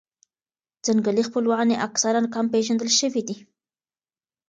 ځنګلي خپلوان یې اکثراً کم پېژندل شوي دي.